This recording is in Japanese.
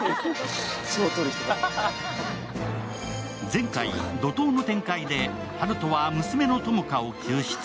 前回、怒とうの展開で、温人は娘の友果を救出。